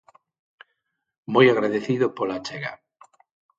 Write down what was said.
Moi agradecido pola achega.